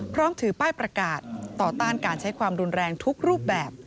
ถือป้ายประกาศต่อต้านการใช้ความรุนแรงทุกรูปแบบ